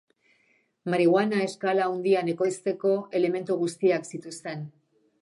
Marihuana eskala handian ekoizteko elementu guztiak zituzten.